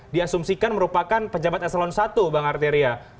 diasumsikan merupakan pejabat eselon i bang arteria